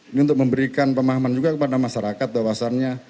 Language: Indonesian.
ini untuk memberikan pemahaman juga kepada masyarakat bahwasannya